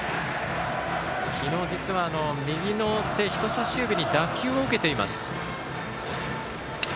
昨日、実は右の手、人さし指に打球を受けています。